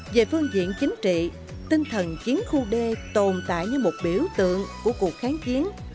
về phương diện chính trị tinh thần chiến khu đê tồn tại như một biểu tượng của cuộc kháng chiến